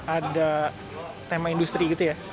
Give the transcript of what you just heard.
ada tema industri gitu ya